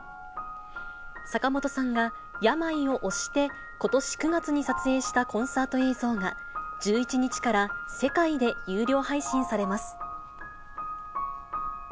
坂本さんが病を押して、ことし９月に撮影したコンサート映像が、１１日から世界で有料配信されます。